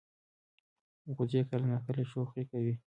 وزې کله ناکله شوخي کوي